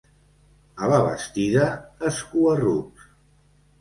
A la Bastida, escua-rucs.